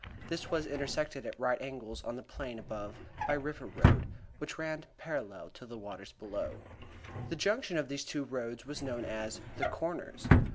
This was intersected at right angles on the plain above by River Road, which ran parallel to the waters below. The junction of these two roads was known as "The Corners."